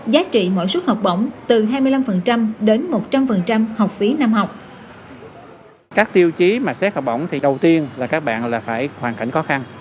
giá trị mỗi suất học bổng từ hai mươi năm đến một trăm linh học phí năm học